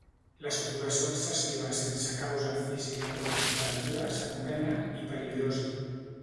La sudoració excessiva sense causa física o de temperatura s'anomena hiperhidrosi